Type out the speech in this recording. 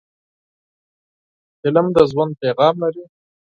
فلم د ژوند پیغام لري